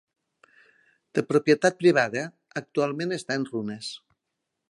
De propietat privada, actualment està en runes.